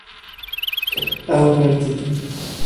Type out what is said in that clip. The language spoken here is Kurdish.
Ew berdidin.